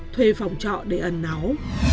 thuê phòng trọ để ẩn nó